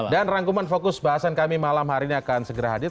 dan rangkuman fokus bahasan kami malam hari ini akan segera hadir